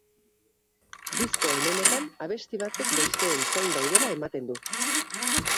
Disko onenetan, abesti batzuk besteen zain daudela ematen du.